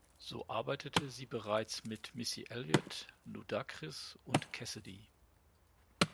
So arbeitete sie bereits mit Missy Elliott, Ludacris und Cassidy.